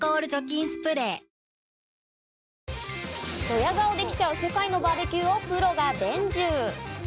ドヤ顔できちゃう世界のバーベキューをプロが伝授。